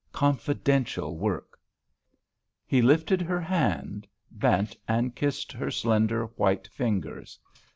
Confidential work." He lifted her hand, bent and kissed her slender white fingers.